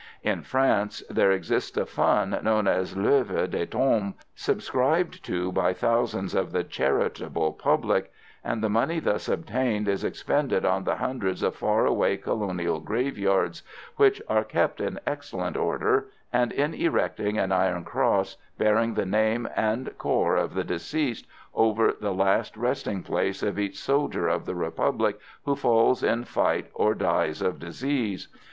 In France there exists a fund, known as L'OEuvre des tombes, subscribed to by thousands of the charitable public; and the money thus obtained is expended on the hundreds of far away colonial graveyards, which are kept in excellent order, and in erecting an iron cross, bearing the name and corps of the deceased, over the last resting place of each soldier of the Republic who falls in fight or dies of disease.